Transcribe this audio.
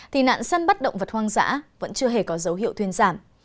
thì nạn săn bắt động vật hoang dã vẫn chưa hề có dấu hiệu thuyên giảm